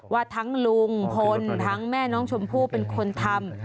ว่าทั้งลุงพลทั้งแม่น้องชมพู่เป็นคนทำ